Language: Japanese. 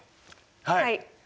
はい！